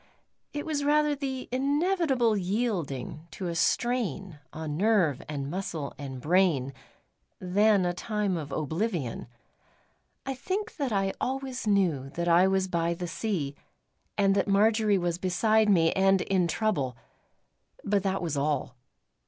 It was rather the inevitable yielding to a strain on nerve and muscle and brain, than a time of oblivion. I think that I always knew that I was by the sea, and that Marjory was beside me and in trouble; but that was all.